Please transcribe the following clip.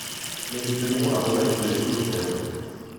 mais nous tenions à remettre les choses au clair.